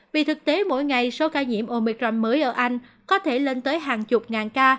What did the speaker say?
vì thực tế mỗi ngày số ca nhiễm omicram mới ở anh có thể lên tới hàng chục ngàn ca